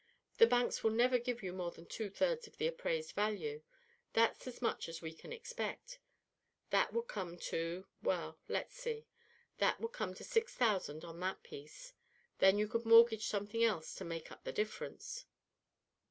"The banks will never give you more than two thirds of the appraised value; that's as much as we can expect; that would come to well, let's see that would come to six thousand on that piece; then you could mortgage something else to make up the difference."